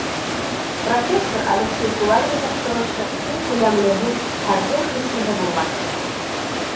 Профессор Алексей Кулагиндың сығышы иң күләмлеһе һәм иң хислеһе булғандыр.